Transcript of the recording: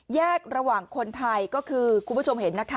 แยกระหว่างคนไทยก็คือคุณผู้ชมเห็นนะคะ